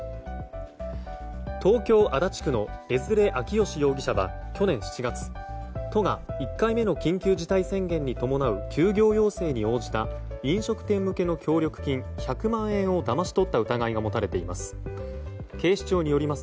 東京・足立区の江連晃祥容疑者は去年７月、都が１回目の緊急事態宣言に伴う休業要請に応じた飲食店向けの協力金１００万円をだまし取った疑いが持たれています。